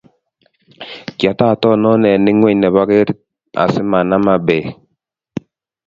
Kyatotonon eng ingweny nebo ketit asimanama beek